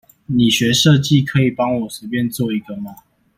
你學設計，可以幫我隨便做一個嗎？